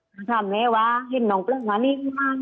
มาถามแม่ว่าเห็นน้องเปลื้องหน้านี่มา